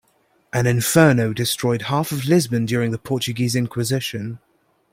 An inferno destroyed half of Lisbon during the Portuguese inquisition.